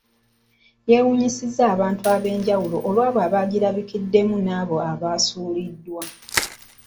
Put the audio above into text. Yeewuunyisizza abantu ab’enjawulo olw’abo abagirabikiddemu n’abo abasuuliddwa.